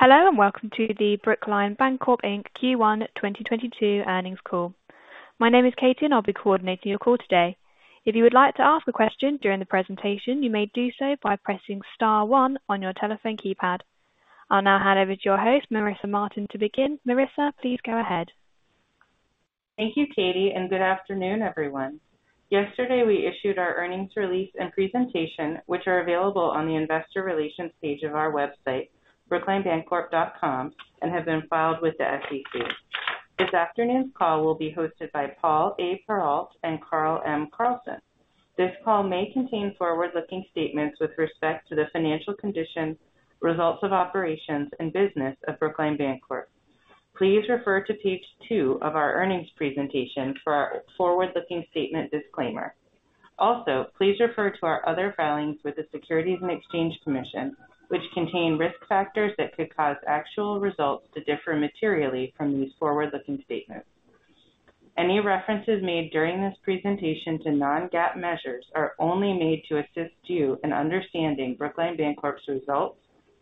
Hello, and welcome to the Brookline Bancorp, Inc. Q1 2022 earnings call. My name is Katie, and I'll be coordinating your call today. If you would like to ask a question during the presentation, you may do so by pressing star one on your telephone keypad. I'll now hand over to your host, Marissa Martin, to begin. Marissa, please go ahead. Thank you, Katie, and good afternoon, everyone. Yesterday, we issued our earnings release and presentation, which are available on the investor relations page of our website, brooklinebancorp.com, and have been filed with the SEC. This afternoon's call will be hosted by Paul A. Perrault and Carl M. Carlson. This call may contain forward-looking statements with respect to the financial condition, results of operations and business of Brookline Bancorp. Please refer to page two of our earnings presentation for our forward-looking statement disclaimer. Also, please refer to our other filings with the Securities and Exchange Commission, which contain risk factors that could cause actual results to differ materially from these forward-looking statements. Any references made during this presentation to non-GAAP measures are only made to assist you in understanding Brookline Bancorp's results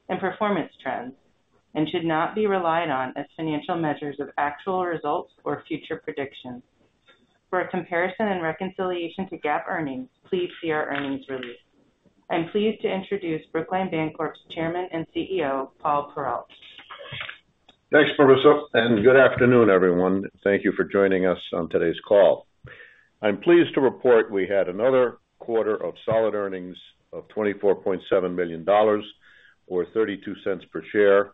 and performance trends and should not be relied on as financial measures of actual results or future predictions. For a comparison and reconciliation to GAAP earnings, please see our earnings release. I'm pleased to introduce Brookline Bancorp's Chairman and CEO, Paul Perrault. Thanks, Marissa, and good afternoon, everyone. Thank you for joining us on today's call. I'm pleased to report we had another quarter of solid earnings of $24.7 million or $0.32 per share.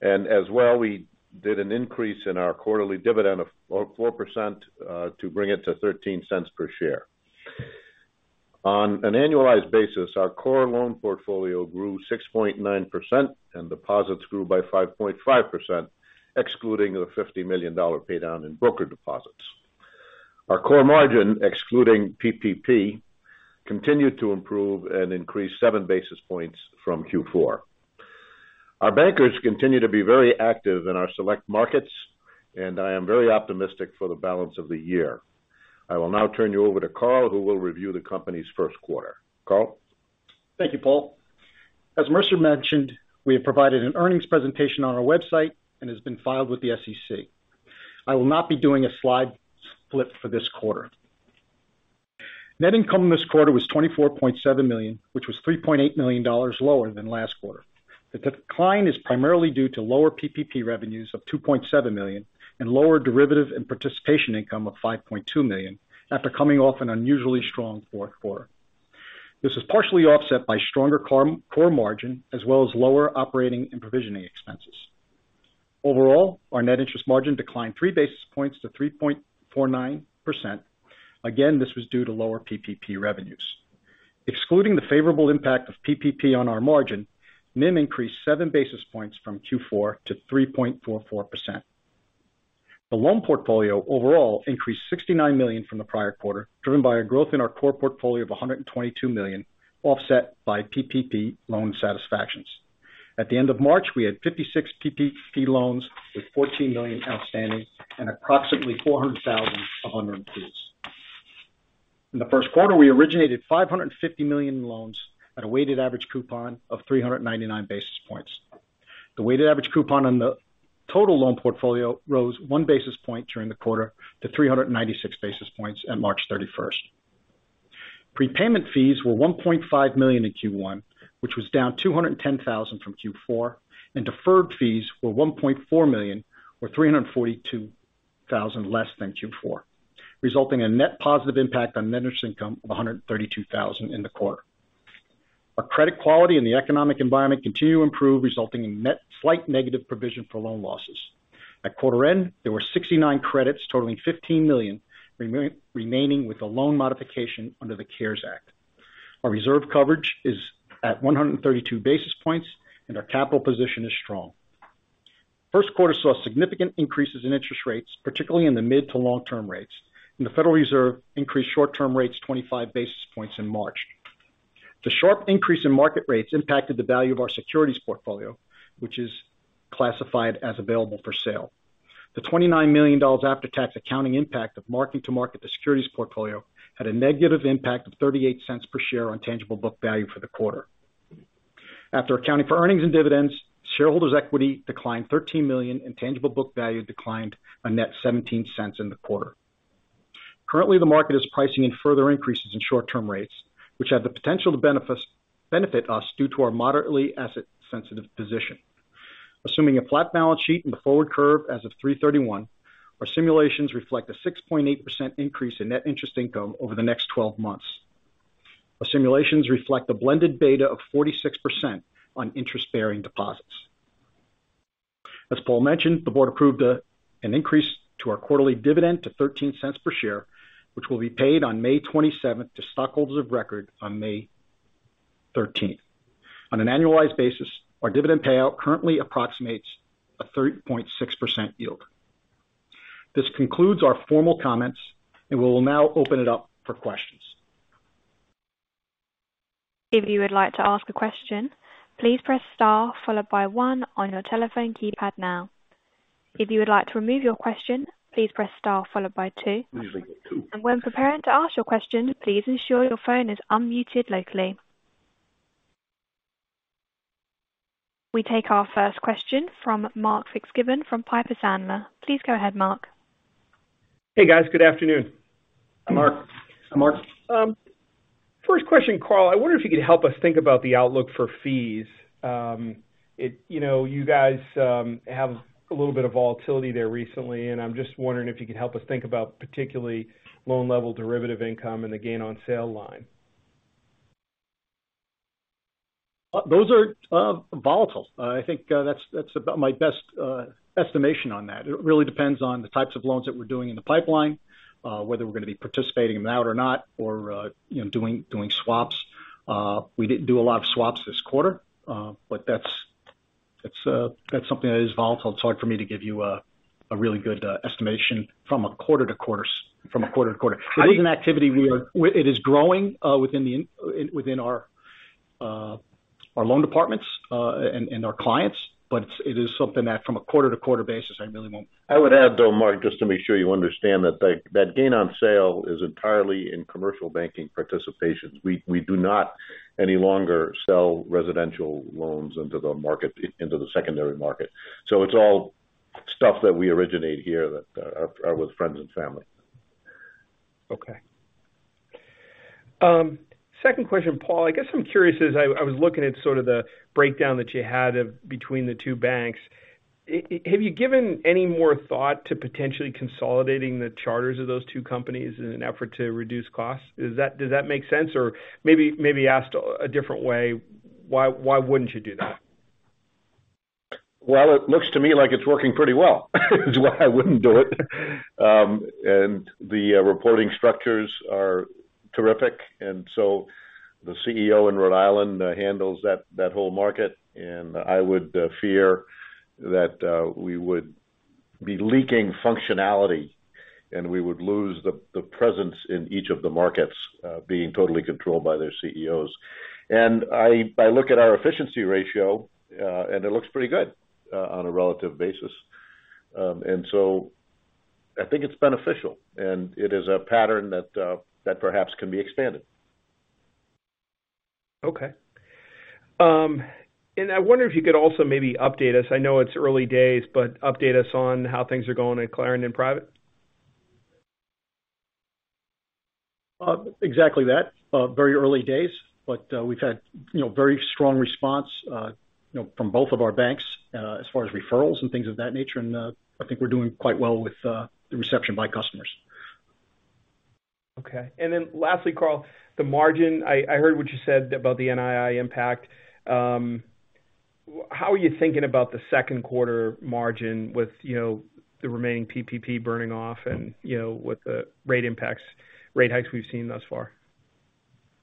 As well, we did an increase in our quarterly dividend of 4%, to bring it to $0.13 per share. On an annualized basis, our core loan portfolio grew 6.9% and deposits grew by 5.5%, excluding the $50 million pay down in broker deposits. Our core margin, excluding PPP, continued to improve and increased seven basis points from Q4. Our bankers continue to be very active in our select markets, and I am very optimistic for the balance of the year. I will now turn you over to Carl, who will review the company's first quarter. Carl. Thank you, Paul. As Marissa mentioned, we have provided an earnings presentation on our website and has been filed with the SEC. I will not be doing a slide-by-slide for this quarter. Net income this quarter was $24.7 million, which was $3.8 million lower than last quarter. The decline is primarily due to lower PPP revenues of $2.7 million and lower derivative and participation income of $5.2 million after coming off an unusually strong fourth quarter. This is partially offset by stronger core margin as well as lower operating and provisioning expenses. Overall, our net interest margin declined 3 basis points to 3.49%. Again, this was due to lower PPP revenues. Excluding the favorable impact of PPP on our margin, NIM increased 7 basis points from Q4 to 3.44%. The loan portfolio overall increased $69 million from the prior quarter, driven by a growth in our core portfolio of $122 million, offset by PPP loan satisfactions. At the end of March, we had 56 PPP loans with $14 million outstanding and approximately $400,000 of undrawn fees. In the first quarter, we originated $550 million in loans at a weighted average coupon of 399 basis points. The weighted average coupon on the total loan portfolio rose 1 basis point during the quarter to 396 basis points at March 31st. Prepayment fees were $1.5 million in Q1, which was down $210,000 from Q4, and deferred fees were $1.4 million or $342,000 less than Q4, resulting in net positive impact on net interest income of $132,000 in the quarter. Our credit quality and the economic environment continue to improve, resulting in net slight negative provision for loan losses. At quarter end, there were 69 credits totaling $15 million remaining with a loan modification under the CARES Act. Our reserve coverage is at 132 basis points, and our capital position is strong. First quarter saw significant increases in interest rates, particularly in the mid to long-term rates. The Federal Reserve increased short-term rates 25 basis points in March. The sharp increase in market rates impacted the value of our securities portfolio, which is classified as available for sale. The $29 million after-tax accounting impact of mark-to-market the securities portfolio had a negative impact of $0.38 per share on tangible book value for the quarter. After accounting for earnings and dividends, shareholders' equity declined $13 million and tangible book value declined a net $0.17 in the quarter. Currently, the market is pricing in further increases in short-term rates, which have the potential to benefit us due to our moderately asset-sensitive position. Assuming a flat balance sheet in the forward curve as of 3/31, our simulations reflect a 6.8% increase in net interest income over the next 12 months. Our simulations reflect a blended beta of 46% on interest-bearing deposits. As Paul mentioned, the board approved an increase to our quarterly dividend to $0.13 per share, which will be paid on May 27 to stockholders of record on May 13. On an annualized basis, our dividend payout currently approximates a 3.6% yield. This concludes our formal comments, and we will now open it up for questions. If you would like to ask a question, please press star followed by one on your telephone keypad now. If you would like to remove your question, please press star followed by two. When preparing to ask your question, please ensure your phone is unmuted locally. We take our first question from Mark Fitzgibbon from Piper Sandler. Please go ahead, Mark. Hey, guys. Good afternoon. Hi, Mark. Hi, Mark. First question, Carl. I wonder if you could help us think about the outlook for fees. You know, you guys have a little bit of volatility there recently, and I'm just wondering if you could help us think about particularly loan level derivative income and the gain on sale line. Those are volatile. I think that's about my best estimation on that. It really depends on the types of loans that we're doing in the pipeline, whether we're gonna be participating in that or not, or, you know, doing swaps. We didn't do a lot of swaps this quarter, but that's something that is volatile. It's hard for me to give you a really good estimation from a quarter to quarter. It is growing within our loan departments and our clients. It is something that, from a quarter to quarter basis, I really won't- I would add, though, Mark, just to make sure you understand that gain on sale is entirely in commercial banking participations. We do not any longer sell residential loans into the market, into the secondary market. It's all stuff that we originate here that are with friends and family. Okay. Second question, Paul. I guess I'm curious, as I was looking at sort of the breakdown that you had of between the two banks. Have you given any more thought to potentially consolidating the charters of those two companies in an effort to reduce costs? Is that? Does that make sense? Maybe asked a different way, why wouldn't you do that? Well, it looks to me like it's working pretty well. Is why I wouldn't do it. The reporting structures are terrific. The CEO in Rhode Island handles that whole market. I would fear that we would be leaking functionality, and we would lose the presence in each of the markets being totally controlled by their CEOs. I look at our efficiency ratio, and it looks pretty good on a relative basis. I think it's beneficial. It is a pattern that perhaps can be expanded. Okay. I wonder if you could also maybe update us. I know it's early days, but update us on how things are going at Clarendon Private. Exactly that. Very early days, but we've had, you know, very strong response, you know, from both of our banks, as far as referrals and things of that nature. I think we're doing quite well with the reception by customers. Okay. Lastly, Carl, the margin. I heard what you said about the NII impact. How are you thinking about the second quarter margin with, you know, the remaining PPP burning off and, you know, with the rate impacts, rate hikes we've seen thus far?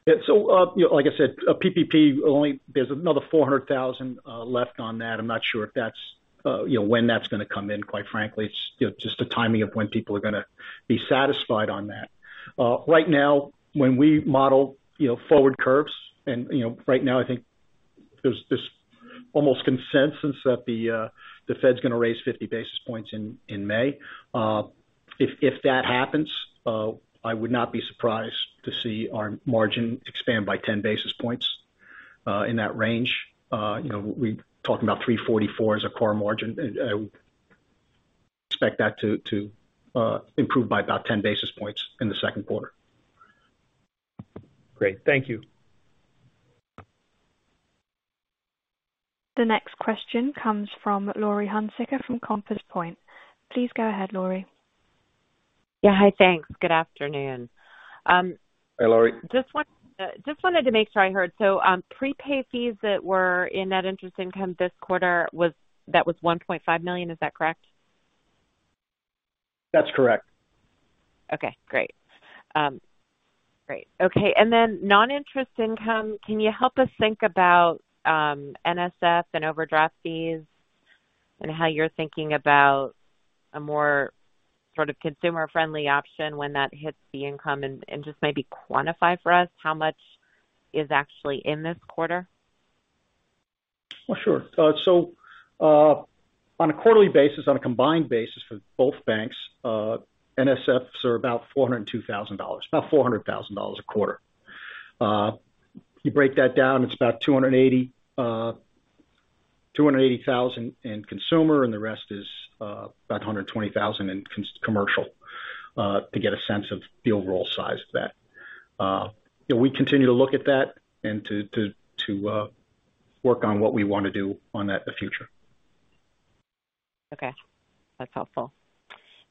Yeah. You know, like I said, PPP only, there's another $400,000 left on that. I'm not sure if that's, you know, when that's gonna come in, quite frankly. It's, you know, just the timing of when people are gonna be satisfied on that. Right now, when we model, you know, forward curves and, you know, right now I think there's this almost consensus that the Fed's gonna raise 50 basis points in May. If that happens, I would not be surprised to see our margin expand by 10 basis points in that range. You know, we're talking about 3.44 as a core margin. Expect that to improve by about 10 basis points in the second quarter. Great. Thank you. The next question comes from Laurie Hunsicker from Compass Point. Please go ahead, Laurie. Yeah. Hi. Thanks. Good afternoon. Hi, Laurie. Just wanted to make sure I heard. Prepaid fees that were in that interest income this quarter was $1.5 million. Is that correct? That's correct. Okay, great. Okay. noninterest income. Can you help us think about NSF and overdraft fees and how you're thinking about a more sort of consumer-friendly option when that hits the income and just maybe quantify for us how much is actually in this quarter? Sure. On a quarterly basis, on a combined basis for both banks, NSFs are about $402,000, about $400,000 a quarter. You break that down, it's about $280,000 in consumer, and the rest is about $120,000 in commercial, to get a sense of the overall size of that. Yeah, we continue to look at that and to work on what we wanna do on that in the future. Okay. That's helpful.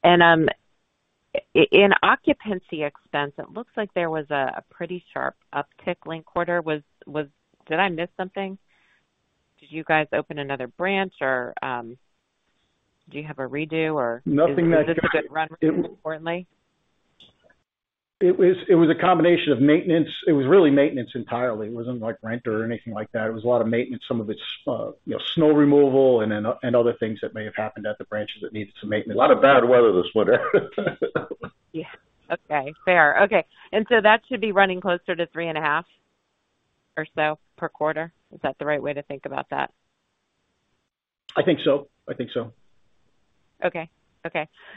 In occupancy expense, it looks like there was a pretty sharp uptick linked quarter. Did I miss something? Did you guys open another branch or do you have a redo or- Nothing that. Is business just running more importantly? It was a combination of maintenance. It was really maintenance entirely. It wasn't like rent or anything like that. It was a lot of maintenance. Some of it's, you know, snow removal and other things that may have happened at the branches that needed some maintenance. A lot of bad weather this winter. Yeah. Okay. Fair. Okay. That should be running closer to 3.5 or so per quarter. Is that the right way to think about that? I think so. I think so. Okay,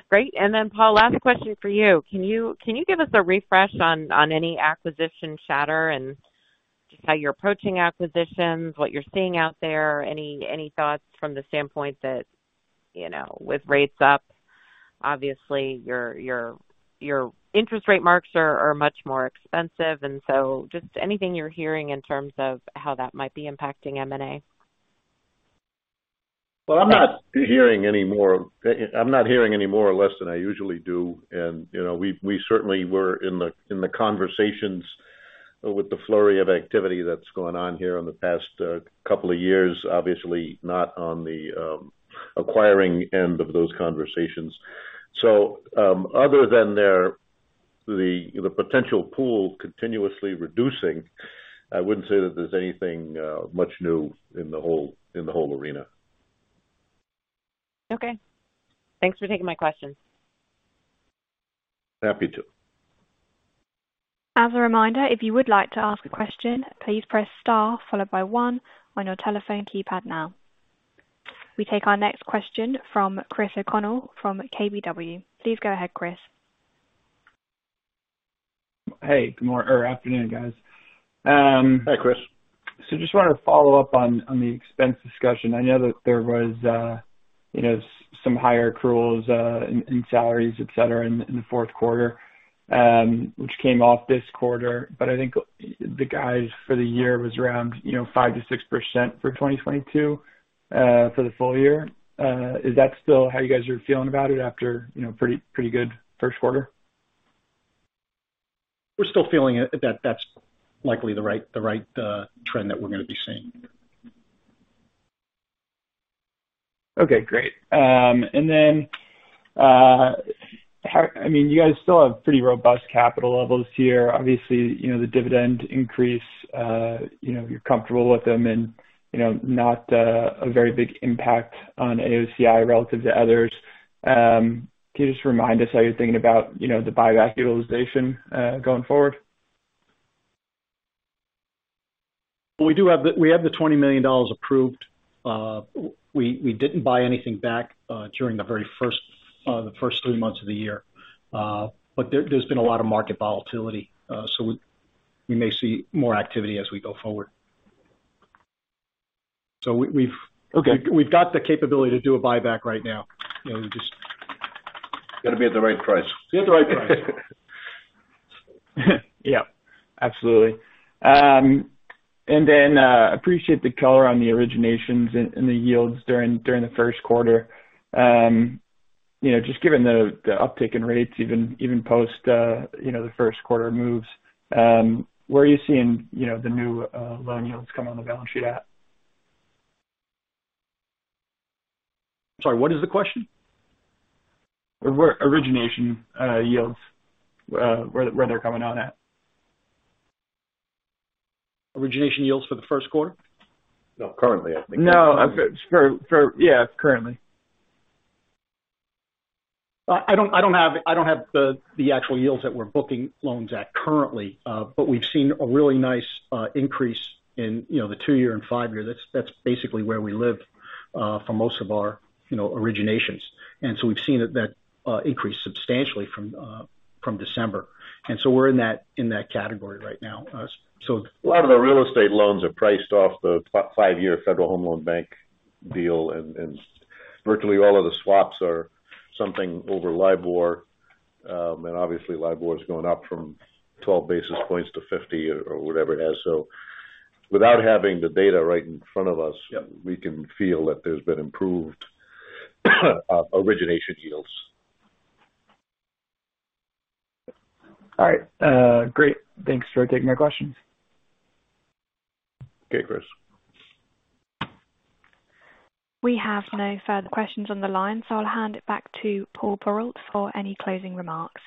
great. Paul, last question for you. Can you give us a refresh on any acquisition chatter and just how you're approaching acquisitions, what you're seeing out there? Any thoughts from the standpoint that, you know, with rates up, obviously your interest rate marks are much more expensive, and so just anything you're hearing in terms of how that might be impacting M&A. Well, I'm not hearing any more or less than I usually do. You know, we certainly were in the conversations with the flurry of activity that's gone on here in the past couple of years. Obviously not on the acquiring end of those conversations. Other than the potential pool continuously reducing, I wouldn't say that there's anything much new in the whole arena. Okay. Thanks for taking my questions. Happy to. As a reminder, if you would like to ask a question, please press star followed by one on your telephone keypad now. We take our next question from Chris O'Connell from KBW. Please go ahead, Chris. Hey, good morning or afternoon, guys. Hi, Chris. Just wanted to follow up on the expense discussion. I know that there was, you know, some higher accruals in salaries, et cetera, in the fourth quarter, which came off this quarter. I think the guide for the year was around, you know, 5%-6% for 2022 for the full year. Is that still how you guys are feeling about it after, you know, pretty good first quarter? We're still feeling it. That's likely the right trend that we're gonna be seeing. Okay, great. I mean, you guys still have pretty robust capital levels here. Obviously, you know, the dividend increase, you know, you're comfortable with them and, you know, not a very big impact on AOCI relative to others. Can you just remind us how you're thinking about, you know, the buyback utilization going forward? We have the $20 million approved. We didn't buy anything back during the first three months of the year. But there's been a lot of market volatility, so we may see more activity as we go forward. Okay. We've got the capability to do a buyback right now. You know, we just Gotta be at the right price. Be at the right price. Yep, absolutely. Appreciate the color on the originations and the yields during the first quarter. You know, just given the uptick in rates, even post, you know, the first quarter moves, where are you seeing, you know, the new loan yields come on the balance sheet at? Sorry, what is the question? where origination yields where they're coming on at. Origination yields for the first quarter? No, currently, I think. No. Currently. I don't have the actual yields that we're booking loans at currently. We've seen a really nice increase in, you know, the 2-year and 5-year. That's basically where we live for most of our, you know, originations. We've seen that increase substantially from December. We're in that category right now. A lot of the real estate loans are priced off the five-year Federal Home Loan Bank deal. Virtually all of the swaps are something over LIBOR. Obviously LIBOR has gone up from 12 basis points to 50 or whatever it has. Without having the data right in front of us. Yeah. We can feel that there's been improved origination yields. All right. Great. Thanks for taking my questions. Okay, Chris. We have no further questions on the line, so I'll hand it back to Paul Perrault for any closing remarks.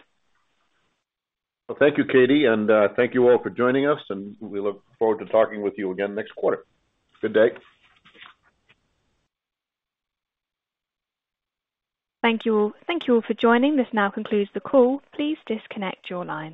Well, thank you, Katie, and thank you all for joining us, and we look forward to talking with you again next quarter. Good day. Thank you all. Thank you all for joining. This now concludes the call. Please disconnect your lines.